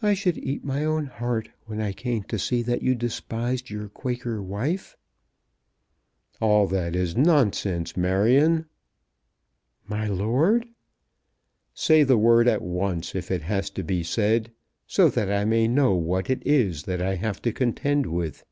I should eat my own heart when I came to see that you despised your Quaker wife." "All that is nonsense, Marion." "My lord!" "Say the word at once if it has to be said, so that I may know what it is that I have to contend with.